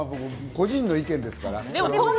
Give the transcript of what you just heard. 個人の意見ですから。